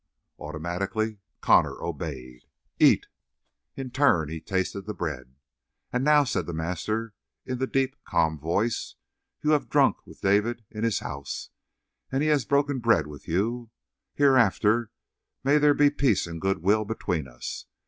Automatically Connor obeyed. "Eat." In turn he tasted the bread. "And now," said the master, in the deep, calm voice, "you have drunk with David in his house, and he has broken bread with you. Hereafter may there be peace and good will between us.